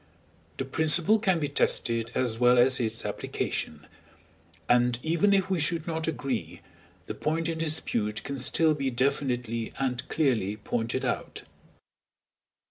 The principle can be tested as well as its application; and even if we should not agree, the point in dispute can still be definitely and clearly pointed out.